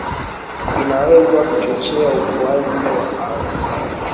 Inaweza kuchochea ukuaji wa algal ambayo inaweza kushindana au kuongezeka kwa matumbawe